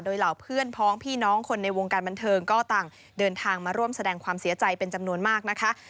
โดยเหล่าเพื่อนพ้องพี่น้องคนในวงการบันเทิงก็ต่างเดินทางมาร่วมแสดงความเสียใจเป็นจำนวนมากนะคะ